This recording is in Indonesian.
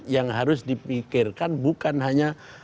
yang harus dipikirkan bukan hanya